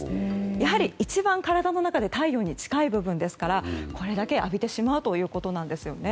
やはり一番体の中で太陽に近い部分ですからこれだけ浴びてしまうということです。